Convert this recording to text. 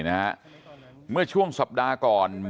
ตรของหอพักที่อยู่ในเหตุการณ์เมื่อวานนี้ตอนค่ำบอกให้ช่วยเรียกตำรวจให้หน่อย